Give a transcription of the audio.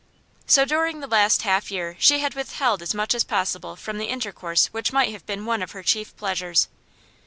So during the last half year she had withheld as much as possible from the intercourse which might have been one of her chief pleasures.